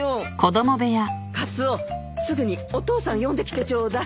カツオすぐにお父さん呼んできてちょうだい。